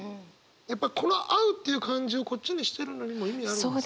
やっぱこの「う」っていう漢字をこっちにしてるのにも意味あるんですかね？